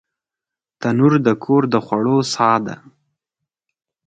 تنور د کور د خوړو ساه ده